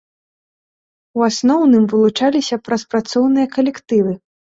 У асноўным вылучаліся праз працоўныя калектывы.